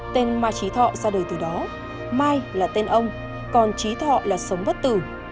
tên mai trí thọ ra đời từ đó mai là tên ông còn trí thọ là sống bất tử